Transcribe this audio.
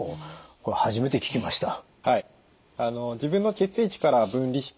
これ初めて聞きました。